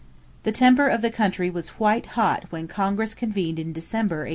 = The temper of the country was white hot when Congress convened in December, 1849.